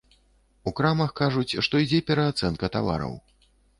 У крамах кажуць, што ідзе пераацэнка тавараў.